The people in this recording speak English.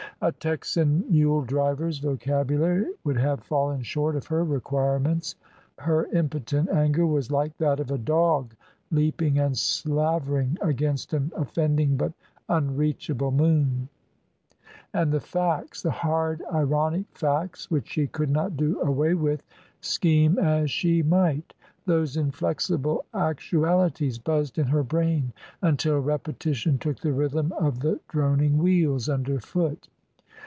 A Texan mule driver's vocabulary would have fallen short of her requirements. Her impotent anger was like that of a dog leaping and slavering against an offending but unreachable moon. And the facts the hard ironic facts, which she could not do away with, scheme as she might! Those inflexible actualities buzzed in her brain, until repetition took the rhythm of the droning wheels underfoot.